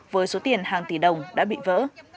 với số tiền hàng tỷ đồng đã bị vỡ